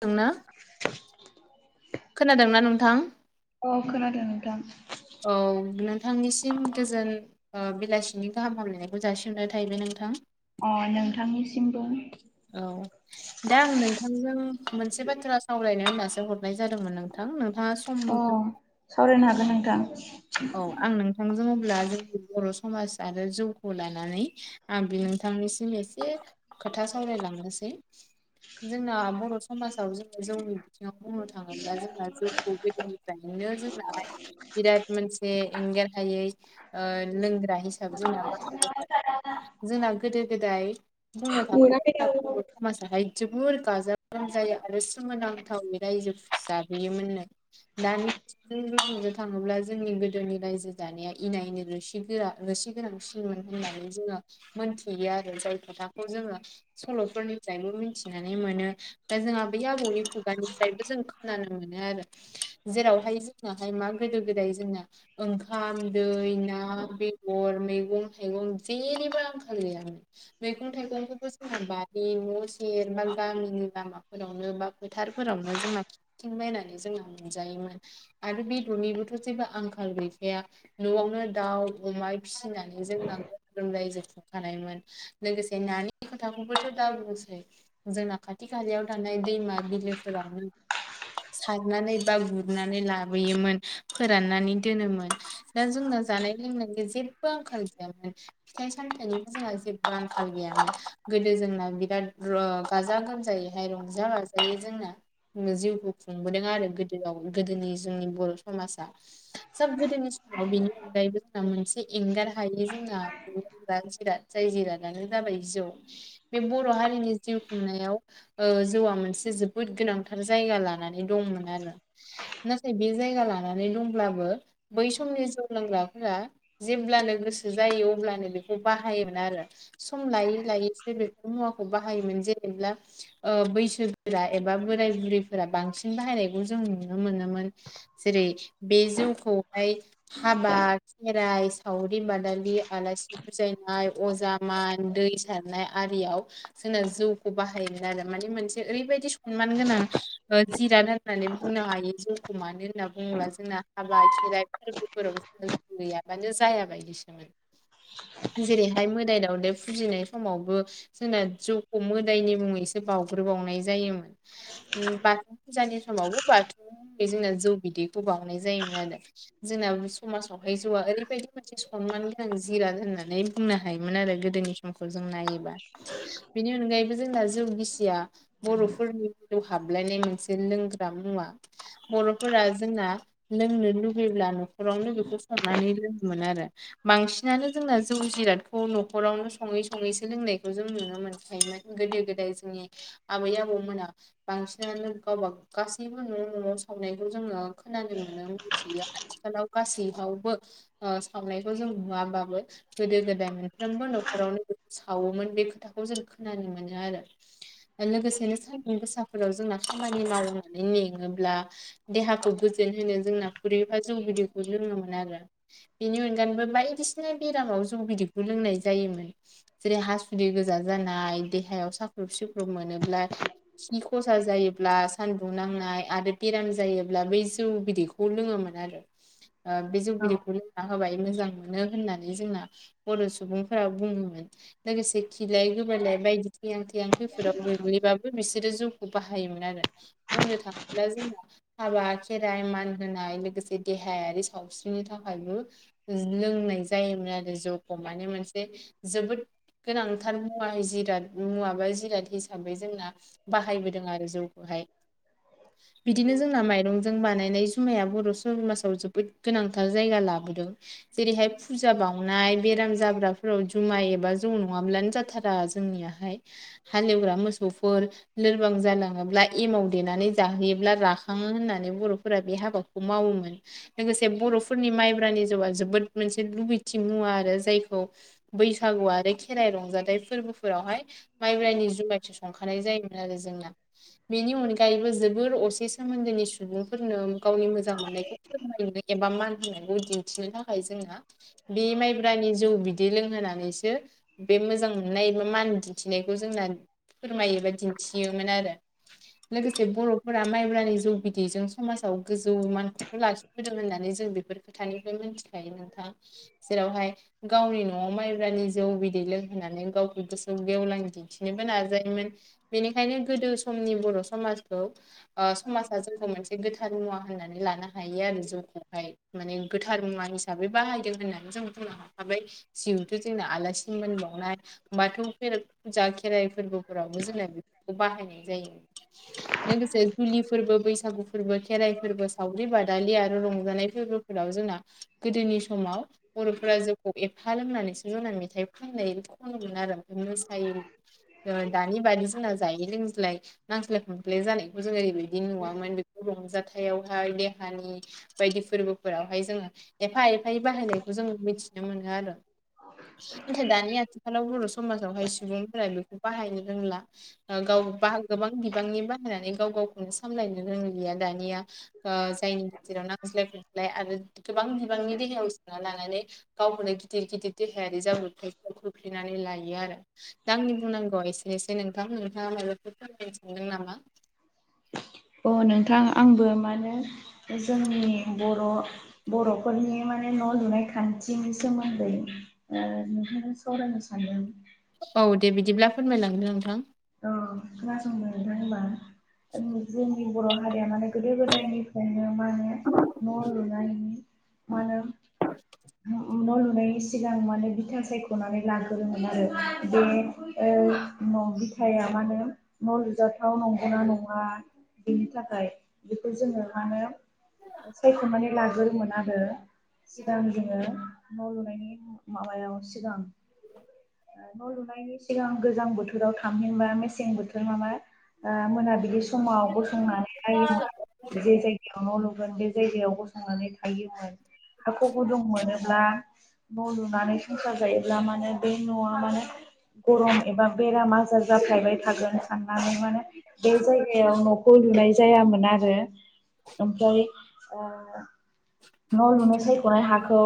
दोंना खोनादों ना नोंथां? औ खोनादों नोंथां औ नों थांनिसिम गोजोन ओ बेलासिनि गाहाम हामलायनायखौ जासिहरनाय थाहैबाय नोंथां। अ नोंथांनिसिमबो। औ दा आं नोंथांजों मोनसे बाथ्रा साव रायनो होनासो हरनाय जादोंमोन नोंथां नों अ सावरायनो हागोन नोंथां। औ आं नोंथांजों अब्ला जोंनि बर समाज आरो जौखौ लानानै आं बे नोंथांनिसिम एस से खोथा सावरायलांनोसै जोंना बर समाजाव जोंङो जौनि बिथिङाव बुंनो थाङोब्ला जोंहा जौखौ गोदोनिफ्रायनो जोंनाहाय बिराद से एंगारहायै ओ लोंग्रा हिसाबै जोंना [unintelligible] जोंना गोदो गोदाय बुंनो थांङोब्ला मोनाखै जोंना दाबो बर समाजाहाय जोबोर गाजा गोमजायै आरो सोमोनांथावै रायजो जाबोयोमोननो दानि जों रुजुनो थाङोब्ला जोंनि गोदोनि रायजो जानाया इना एनि रोसि गोरा रोसि गोनांसि बिमोन होननानै जोंङो मोनथियो आरो जाय खोथाखौ जोंङो सलफोरनिफ्रायबो मोनथि खोनानै मोनो दा जोंहा बै आबौनि खुगानिफ्रायबो जों खोनानो मोनो आरो जेराव हाय जोंनाहाय मा गोदो गोदाय जोंना ओंखाम दै ना बेदर मैगं थाइगं जेनिबो आंखाल गैयामोन मैगं थाइगंफोरखौ जोंहा बारि न सेर बा गामिनि लामाफोरावनो बा फोथारफोरावनो जोंना थिं बायनानै जोंहा मोनजायो मोन आरो बेदरनि बो थ जेबो आंखाल गैखाया नआवनो दाउ अमा फिसिनानै जोंना ग्रोम ग्रोम रायजो खुंखानाय नाय मोन लोगोसे नानि खोथाखौबोथ दा बुंसै जोंना खाथि खालायाव थानाय दैमा बिलो फोरावनो सारनानै बा गुरनानै लाबोयोमोन फो राननानै दोनोमोन दा जोंना जानाय लोंनायनि जेबो आंखाल गैयामोन फिथाइ सामथाइ निबो जोंहा जेबो आंखाल गैयामोन गोदो जोंना बिराद र गाजा गोमजायैहाय रंजा बाजायै जोंना उम जिउखौ खुंबोदों आरो गोदोआव गोदोनि जोंनि बर समाजा। [inaudible] सब गोदोनि समाव बेनि अनगायैबो जोंना मोनसे एंगार हायो जोंना जिरादफोरा जायो जिरादानो जाबाय जौ बे बर' हारिनि जिउ खुंनायाव जौआ मोनसे जोब जोबोद गोनांथार जायगा लानानै दंमोन आरो नाथाय बे जायगा लानानै। दंब्लाबो बै समनि जौ लोंग्राफोरा जेब्लानो गोसो जायो अब्लानो बेखौ। बाहायोमोन आरो सम लायै लायैसो बेफोर मुवाखौ बाहायोमोन जेनेब्ला ओ बैसो फोरा एबा बोराय बुरैफोरा बांसिन बाहायनायखौ जों नुनो मोनोमोन जेरै- बे जौखौहाय हाबा। जाय सावरि बादालि आलासि बुजायनाय अजा मान दै सारनाय आरियाव जोंना जौखौ बाहायोमोन आरो माने मोनसे ओरैबायदि सनमान गोनां ओ जिराद होनना। होन बुंनो हायो जौखौ मानो होनना बुङोब्ला जोंना हाबा, खेराइ फोरबोफोराव जौ गैयाबानो जाया बायदिसोमोन। जेरैहाय मोदाय दावदै फुजिनाय समावबो जोंना जौखौ मोदायनि मुङैसो बावउग्रोबावनाय जायोमोन ओम बाथौ फुजानि समावबो बाथौआ जोंना जौ बिदै ब बावनाय जायोमोन आरो जोंना समाजावहाय जौआ ओरैबायदि मोनसे सनमान गोनां जिराद होन नानै बुंनो हायोमोन आरो गोदोनि समखौ जों नायोबा बिनि अनगायैबो। जोंना जौ गिसिया बर'फोरनि जिउ हाबलायनाय मोनसे लोंग्रा मुवा। बर'फोरा। जोंना लोंनो लुबैयोब्ला न'खरावनो बेखौ संनानै लोङोमोन आरो बांसिनानो जों। जोंना जौ जिरादखौ न'खरावनो सङै-सङै सो लोंनायखौ जों नुनो मोनखायोमोन गोदो-गोदाय। जोंनि आबै आबौमोना बांसिन जों गावबा गासैबो न' न'आव सावनायखौ जोङो खोनानो मोनो मिथियो आथिखालाव गासैआवबो ओ सावनायखौ जों नुवाबाबो गोदो गोदाय मोनफ्रोमबो न'खरावनो। सावोमोन बे खोथाखौ जों खोनानो मोनो आरो ओ लोगोसेनो सानदुं गोसाफोराव जोंना। खामानि मावनानै मेंङोब्ला देहाखौ गोजोन होनो जोंना खुरि एफा जौ गुदिखौ लोङोमोन आरो बिनि अनगायैबो बायदिसिना बेराम समाव जौ गिदिरखौ लोंनाय जायोमोन जेरै हासुदि गोजा जानाय देहायाव साख्रुब सिख्रुब मोनोब्ला खि खसा जायोब्ला सानदुं नांनाय आरो बेराम जायोब्ला बे। जौ बिदैखौ लोङोमोन आरो ओ बे जौ औ बिदिखौ लोंना होबाय मोजां मोनो होननानै जोंना। बर' सुबुंफोरा बुङोमोन लोगोसे खिलाय-गोबायलाय बायदि थैआं-थैआं खैफोदावबो। बिब्दि बाबो बिसोरो जौखौ बाहायोमोन आरो बुंनो थाङोब्ला जोंना हाबा। खेराइ मान होनाय लोगोसे देहायारि सावस्रिनि थाखायबो लोंनाय जायोमोन‌। आरो जौखौ माने मोनसे जोबोद गोनांथार मुवा-जिराद मुवा बा जिराद हिसाबै जोंना बाहायबोदों आरो जौखौहाय। बिदिनो जोंना माइरंजों जों बानायनाय जुमाया बर' बर'समाजाव जोबोद गोनांथार जायगा लाबोदों जेरैहाय फुजाबा बाउनाय बेराम जाब्राफोराव जुमाय एबा जौ नङाब्लानो जाथारा जोंनियाहाय हालेवग्रा मोसौफोर लोरबां जालाङोब्ला एमाव देनानै जाहोयोब्ला राखाङो। होननानै बर'फोरा बे हाबाखौ मावोमोन लोगोसे बर'फोरनि माइब्रानि जौआ जोबोद मोनसे लुबैथि मुवा आरो जायखौ बैसागु आरो खेराइ रंजाथाइ फोरबोफोरावहाय माइब्रनि जुमाय संखानाय जायोमोन आरो जोंना बेनि अनगायैबो जोबोर असे सोमोन। सुबुंफोरनो गावनि मोजां मोननायखौ फोरमायो एबा मान होनो। दिन्थिनो थाखाय जोंना बे माइब्रानि जौ बिदै लोंहोनानैसो बे मोजां। मोननाया मान दिन्थिनायखौ जोंना फोरमायोबा दिन्थियोमोन आरो लोगोसे बर'फोरा माइब्रानि जौ बिदै। बेजों समाजाव गोजौ मानखौथ' लाखिबोदों होननानै जों बेफोर खोथानिफ्राय मोनथिखायो। मा जेरावहाय गावनि न'आव माइब्रानि जौ बिदै लों। होननानै गावखौ गोसोआव गेवलां दिन्थिनोबो नाजायोमोन बेनिखायनो गोदो समनि बर' समाज औ समाज जखौ मोनसे गोथार मुवा होननानै लानो हायो आरो जौखौहाय माने गोथार मुवा हिसाबै बाहाय होननानै जों बुंनो हरखाबाय जिउथ जोंना आलासि मोनबावनाय बाथौ दा खेराइ फोरबोफोरावबो जोंना बेफोरखौ बाहायनाय जायो लोगोसे जुलि फोरबो बैसागु फोरबो खेराइ फोरबो सावरि बादालि आरो रंजानाय फोरबो फोराव जों गोदोनि सम समाव बरफोरा जौखौ एफा लोंनानैसो जना मेथाइ फाननाय खनोमोन आरो [unintelligible] दानि बादि जोंना जायै लोंज्लाय नांज्लाय खमस्लाय जानायखौ जों ओरैबायदि [unintelligible] जाथायावहाय देहानि बायदि फोरबोफोरावहाय जोङो एफा एफायै बाहायनायखौ जों मोन ना दानि आथिखालाव बर समाजावहाय सुबुंफोरा बेखौ बाहायनो रोंला गाव बा गोबां बिबांनि बाहायनानै गाव गाव सामलायनो रोंलिया दानिया जायनि गेजेराव नांज्लाय खमज्लाय आरो गोबां आंनि देहायाव सोना लानानै गावखौनो गिदिर गिदिर देहायारि जाब्रबथाययाव खोख्लैनानै लायो आरो। दा आंनि बुंनांगौआ एसे एसेै नोंथां नोंथाङा माबाखौ फोरमायनो सानदों नामा? अ नोंथां आंबो मानो जोंनि बर बर'फोरनि माने न' लुनाय खान्थिनि सोमोन्दै ओ सावरायनो सानदों। औ दे बिदिब्ला फोरमायलांदो नोंथां। खोनासंनो नोंथां होनबा जोंनि बर' हारिया माने गो गोदो गोदायनिफ्रायनो माने न' लुनायनि मा होनो औ न' लुनायनि सिगां माने बिथा सायख'नानै लाग्रोमोन आरो बे न'। बिथाया मा होनो न' लुजाथाव नंगौना नङा। बेनि थाखाय बेखौ जोङो मा होनो सायख'नानै लाग्रोमोन आरो। सिगां जोङो न' लुनायनि माबायाव सिगां न' लुनायनि सिगां गोजां बोथोराव थामहिनबा मेसें बोथोर माबा ओ मोनाबिलि समाव गसंनानै नायोमोन जे जायगायाव न' लुगोन बे जायगायाव गसंनानै थायोमोन। हाखौ गुदुं मोनोब्ला न' लुनानै संसार जायोब्ला मानोे बे न'आ मानोे गरम एबा बेराम आजार जाफ्लायबाय थागोन साननानै माने बे जायगायाव न'खौ लुनाय जायामोन आरो। ओमफ्राय आ न' लुनो सायख'नाय हाखौ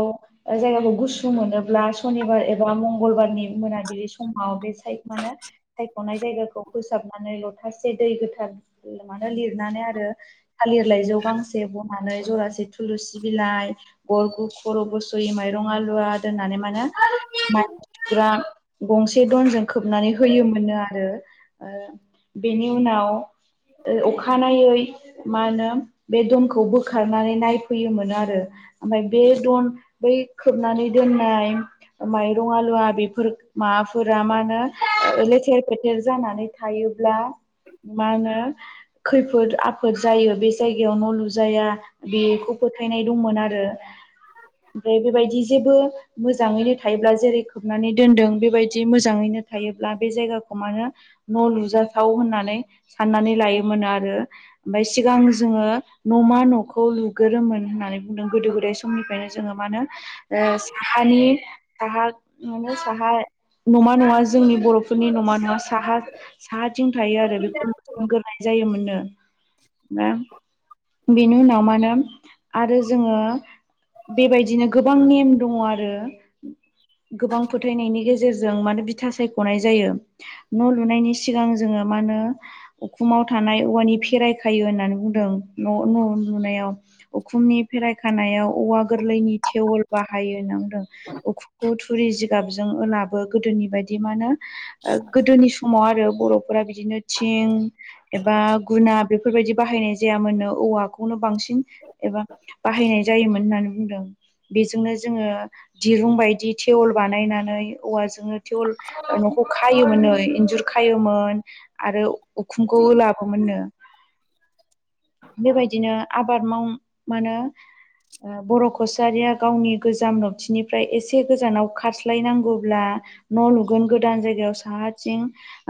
जायगाखौ गुसु मोनोब्ला सनिबार एबा मंगलबार नि मोनाबिलि समाव बे साइद माने सायख'नाय जायगाखौ फोसाबनानै लथासे दै गोथार मानो लिरनानै आरो लाइजौ जौ गांसे बनानै जरासे थुलुसि बिलाइ ग गु खर' गुसयै माइरं आलुवा दोननानै गंसे दनजों खोबनानै होयोमोन। मोनो आरो ओ बेनि उनाव ओ अखानायै मा होनो बे दमखौ बोखारनानै नायफैयोमोन आरो। ओमफ्राय बे दन बै खोबनानै दोननाय माइरं आलुवा बेफोर माबाफोरा मा होनो थेर फेथेर जानानै थायोब्ला मा होनो खैफोद आफोद जायो बे जायगायाव न' लुजाया बेखौ फोथायनाय दंमोन आरो। ओमफ्राय बेबायदि जेबो मोजाङैनो थायोब्ला जेरै खोबनानै दोनदों बेबायदि मोजाङै थायोब्ला बे जायाखौ अमानो न' लुजाथाव होननानै साननानै लायोमोन आरो ओमफ्राय सिगां ज जोङो न'मा न'खौ लुगोरोमोन होननानै बुंदों गोदो गोदाय समनिफ्रायनो जोङो मा होन साहानि साहा मानो साहा नमा नङा जोंनि बर'फोरनि नमा न। साहा साहा थिं थायो आरो बेखौ लुग्रोनाय जायोमोननो। बेनि उनाव मा होनो आरो जोङो बेबायदिनो गोबां नेम दङ आरो। गोबां फोथायनायनि गेजेरजों मानो बिथा सायख'नाय जायो न' लुनायनि सिगां जोङो मा होनो उखुमाव थानाय औवानि फेराय खायो होननानै बुंदों। न' न' लुनायाव उखुमनि फेराय खानायाव औवा गोरलैनि टेवल बाहायो नो। बुंदों उखुमखौ थुरि जिगाबजों होलाबो गोदोनि बायदि मानो ओ गोदोनि समाव आरो बर'फोरा बिदिनो थिं एबा गुना बेफोरबायदि बाहायनाय जायामोननो औवाखौनो बांसिन एबा बाहायनाय जायोमोन होननानै बुंदों बेजोंनो जोङो दिरुं बायदि थेवल बानायनानै औवाजोंनो थेवल खायोमोननो इन्जुर खायोमोन आरो उखुंखौ लाबोननो बेबायदिनो आबाद माव मानो ओ बर' कसारिया गावनि गोजाम नबथिनिफ्राय एसे गोजानाव खारस्लायनांगौब्ला न' लुगोन गोदान जायगायाव साहाथिं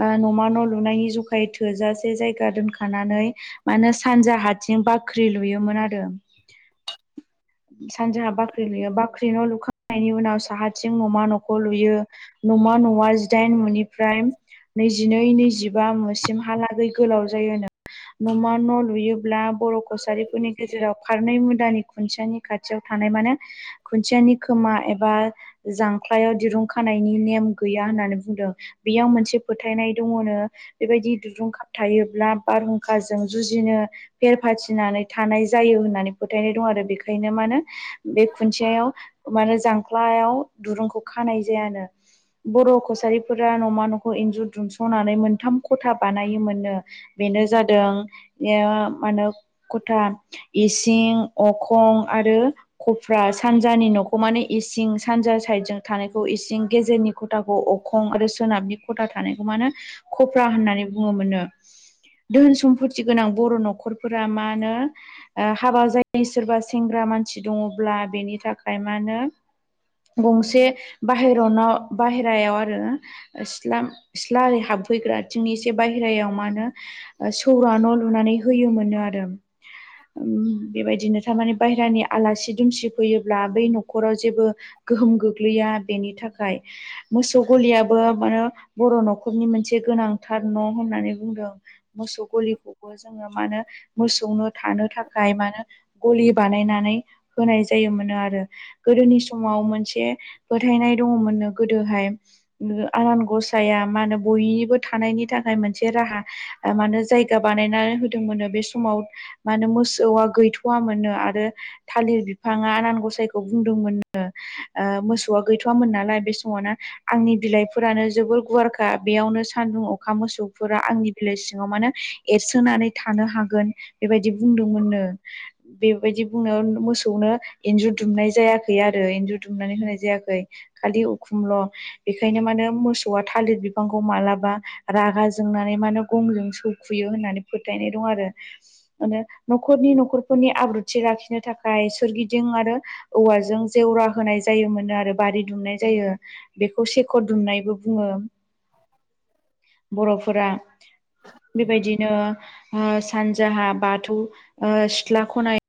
ओ न'मा न' लुनायनि जुखायै थोजासे जायग गा दोनखानानै मानो सानजा हाथिं बाख्रि लुयोमोन आरो सानजा बाख्रि लुयो बाख्रि न' लुखांनायनि उनाव साहाथिं न'मा न'खर न'लुयो नमा न'आ जिदाइन मुनि ओमफ्राय नैजिनै नैजिबा मोसिमहालागै गोलाव जायोनो नमान लुयो ब्ला बर' कसारिफोरनि गेजेराव खारनै मुदानि खुन्थियानि खाथियाव थानाय मानो खुनथि नि खोमा एबा जांख्लायाव दिरुं खानायनि नेम गैया होननानै बुंदों बेयाव मोनसे फोथायनाय दङनो बेबायदि दुरुं खाब थायो ब्ला बारहुंखाजों जुजिनो फेर फाथिनानै थानाय जायो होननानै फोथायनाय दं आरो बेखायनो मा होनो बे खुन्थियाव माने जांख्लायाव दुरुंखौ खानाय जायानो बर' कसारिफोरा न'मा न'खौ इन्जुर दुमस'नानै मोनथाम खथा बानायोमोननो बेनो जादों मा होनो खथा इसिं अखं आरो खफ्रा सानजानि न' नखौ मानो इसिं सानजा साइडजों थानायखौ इसिं गेजेरनि खथाखौ अखं आरो सोनाबनि खथा थानायखौ मा होनो कफ्रा होननानै बुङोमोनो धोन सम्फथि गोनां बर' न'खरा न'खरफोरा मा होनो ओ हाबा जायो सोरबा सेंग्रा मानसि दङब्ला बेनि थाखाय माहोनो [inaudible] गंसे बाहेरनाव बाहेरायाव आरोना सिटला लारि हाबफैग्रा थिंनि इसे बायहेरायाव मा होनो ओ सौरा न' लुनानै होयोमोननो आरो ओम बेबायदिनो थारमाने बायहेरानि आलासि दुमसि फैयोब्ला बै न'खराव जेबो गो गोहोम गोग्लैया बेनि थाखाय मोसौ गलियाबो मानो बर' न'खरनि मोनसे गोनां थार न' होननानै बुंदों मोसौ गलिखौ जोङो मानो मोसौनो थानो थाखाय मानो गलि बानायनानै होनाय जायोमोनो आरो गोदोनि समाव मोनसे फोथायनाय दङमोननो गोदोहाय आनान गसाया मा होनो बयनिबो थानायनि थाखाय मोनसे राहा माने जायगा बानायनानै होदोंमोननो बे समाव मा होनो मोसौआ गैथ'आ मोन आरो थालिर बिफाङा आनान गसाइखौ बुंदोंमोन नो ओ मोसौआ गैथ'आमोन नालाय बे समावनो आंनि बिलाइफोरानो जोबोर गुवारखा बेयावनो सान्दुं अखा मोसौफोरा आंनि बिलाइ सिङाव मानो एरसोनानै थानो हागोन बेबायदि बुंदोंमोननो बेबायदि बुंनायाव मोसौनो दुमनाय जायाखै आरो इन्जुर दुमनानै होनाय जायाखै खालि उखुमल' बेनिखायनो मानो मोसौआ थालिर बिफांखौ मालाबा रागा जोंनानै माने गंजों सौखुयो होननानै फो थायनाय दं आरो माने न'खरनि न'खरफोरनि आब्रुथि लाखिनो थाखाय सोरगिदिं आ रो औवाजों जेवरा होनाय जायो मोनो आरो बारि दुमनाय जायो। बेखौ सेख'र दुमनायबो बुङो बर'फोरा। बेबायदिनो ओ सानजाहा बाथौ सिथ्ला खनाय